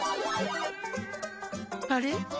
あれ？